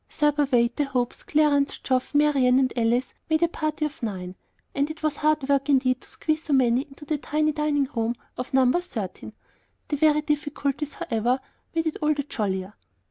Thurber Wade, the Hopes, Clarence, Geoff, Marian, and Alice made a party of nine, and it was hard work indeed to squeeze so many into the tiny dining room of No. 13. The very difficulties, however, made it all the jollier.